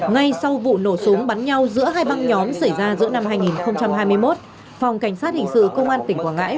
ngay sau vụ nổ súng bắn nhau giữa hai băng nhóm xảy ra giữa năm hai nghìn hai mươi một phòng cảnh sát hình sự công an tỉnh quảng ngãi